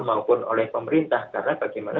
maupun oleh pemerintah karena bagaimana